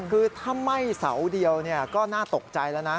คือถ้าไหม้เสาเดียวก็น่าตกใจแล้วนะ